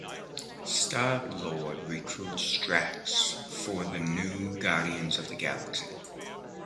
Star-Lord recruits Drax for the new Guardians of the Galaxy.